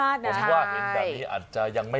อันนี้คุณกล้าไหม